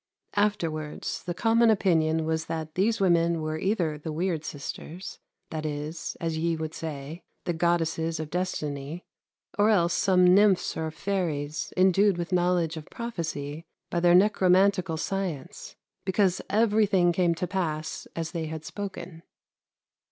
... Afterwards the common opinion was that these women were either the weird sisters, that is (as ye would say) the goddesses of destinie, or else some nymphs or feiries, indued with knowledge of prophesie by their necromanticall science, because everiething came to passe as they had spoken."